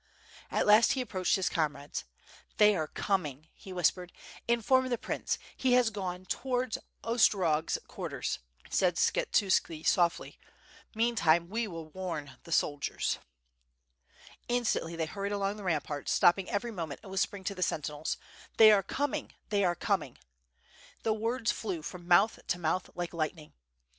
At last he approached his comrades, "they are coming," he whispered. "Inform the prince, he has gone towards Ostrorog's quarters," said Skshet uski softly, "meantime we will warn the soldiers." Instantly they hurried along the ramparts, stopping every moment and whispering^ to the sentinels: "They are coming! they are coming!" The words flew from mouth to mouth like lightning.